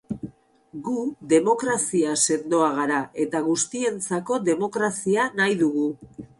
Gu demokrazia sendoa gara eta guztientzako demokrazia nahi dugu.